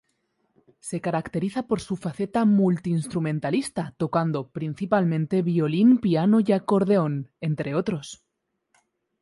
Se caracteriza por su faceta multi-instrumentalista, tocando principalmente violín, piano y acordeón, entre otros.